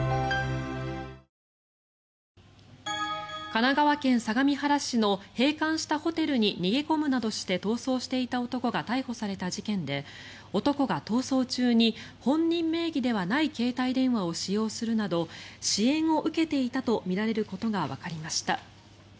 神奈川県相模原市の閉館したホテルに逃げ込むなどして逃走していた男が逮捕された事件で男が逃走中に本人名義ではない携帯電話を使用するなど支援を受けていたとみられることがわかりました。